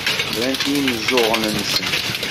Brant i yimeẓẓuɣen-nsent.